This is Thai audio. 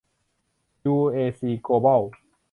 ยูเอซี โกลบอล